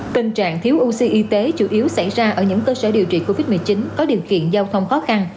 tình trạng thiếu oxy y tế chủ yếu xảy ra ở những cơ sở điều trị covid một mươi chín có điều kiện giao thông khó khăn